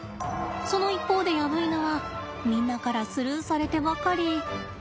その一方でヤブイヌはみんなからスルーされてばかり。